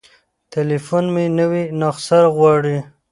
تليفون مې نوې نسخه غواړي.